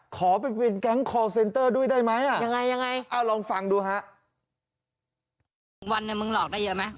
ขอไปเป็นแก๊งคอลเซนเตอร์ด้วยได้ไหม